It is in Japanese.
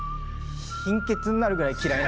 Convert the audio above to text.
貧血になるぐらい嫌い。